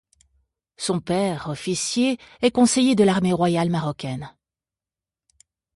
Son père, officier, est conseiller de l'armée royale marocaine.